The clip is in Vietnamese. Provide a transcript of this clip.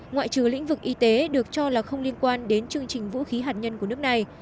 ngoại trừ lĩnh vực y tế được cho là không liên quan đến chương trình vũ khí hạt nhân của nước này